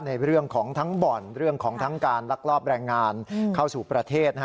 ในเรื่องของทั้งบ่อนเรื่องของทั้งการลักลอบแรงงานเข้าสู่ประเทศ